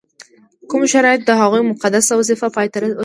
کومو شرایطو د هغوی مقدسه وظیفه پای ته ورسول.